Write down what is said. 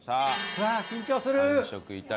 うわっ緊張する！